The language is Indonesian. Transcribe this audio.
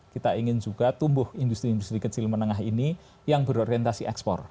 kita ingin juga tumbuh industri industri kecil menengah ini yang berorientasi ekspor